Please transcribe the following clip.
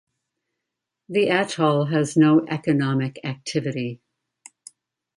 The atoll has no economic activity.